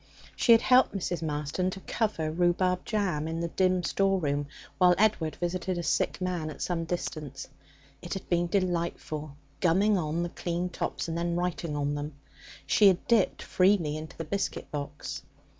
She had helped Mrs. Marston to cover rhubarb jam in the dim store room while Edward visited a sick man at some distance. It had been delightful, gumming on the clean tops, and then writing on them. She had dipped freely into the biscuit box.